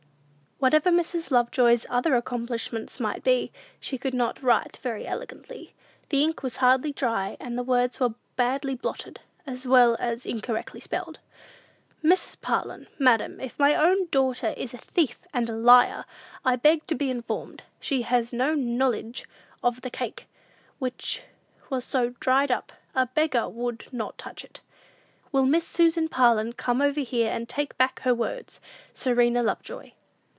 Whatever Mrs. Lovejoy's other accomplishments might be, she could not write very elegantly. The ink was hardly dry, and the words were badly blotted, as well as incorrectly spelled. "Mrs. Parlin. "Madam: If my own doughter is a theif and a lier, I beg to be informed. She has no knowlidg of the cake, whitch was so dryed up, a begar woold not touch it. Will Miss Susan Parlin come over here, and take back her words? "SERENA LOVEJOY."